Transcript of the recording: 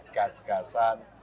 gas gasan sehingga kemudian